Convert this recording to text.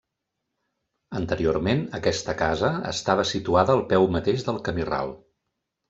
Anteriorment, aquesta casa estava situada al peu mateix del camí ral.